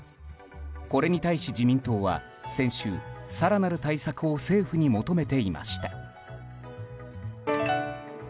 これに対し、自民党は先週、更なる対策を政府に求めていました。